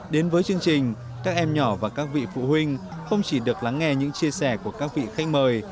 đến với chương trình các em nhỏ và các vị phụ huynh không chỉ được lắng nghe những chia sẻ của các vị khách mời